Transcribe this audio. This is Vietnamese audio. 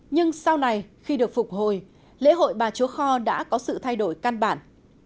nhưng sau này khi được phục hồi lễ hội bà chúa kho đã có sự thay đổi căn bản